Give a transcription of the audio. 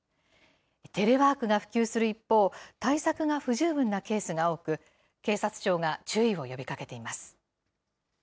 テレワークが普及する一方、対策が不十分なケースが多く、警察庁が注意を呼びかけています。